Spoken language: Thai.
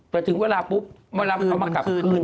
แต่ถึงเวลาปุ๊บเวลามันเอามากลับคืน